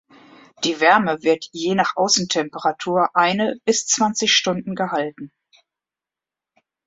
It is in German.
Die Wärme wird je nach Außentemperatur eine bis zwanzig Stunden gehalten.